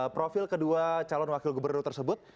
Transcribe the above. profil kedua calon wakil gubernur tersebut